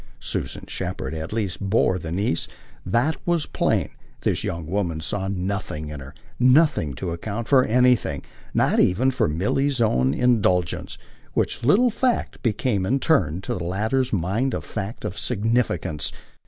Susan Shepherd at least bored the niece that was plain; this young woman saw nothing in her nothing to account for anything, not even for Milly's own indulgence: which little fact became in turn to the latter's mind a fact of significance.